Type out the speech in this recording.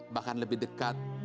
bahkan lebih dekat